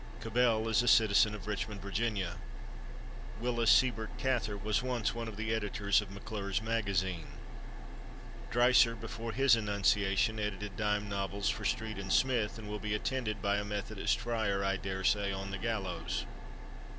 Cabell is a citizen of Richmond, Va. Willa Sibert Cather was once one of the editors of McClure's Magazine. Dreiser, before his annunciation, edited dime novels for Street & Smith, and will be attended by a Methodist friar, I daresay, on the gallows....